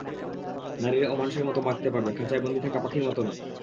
নারীরাও মানুষের মতো বাঁচতে পারবে, খাঁচায় বন্দী থাকা পাখির মতো নয়।